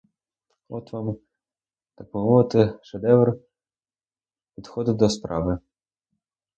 От вам, так би мовити, шедевр підходу до справи.